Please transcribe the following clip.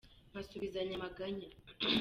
Nkasubizanya amaganya